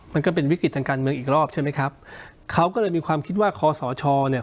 มันก็เป็นวิกฤติทางการเมืองอีกรอบใช่ไหมครับเขาก็เลยมีความคิดว่าคอสชเนี่ย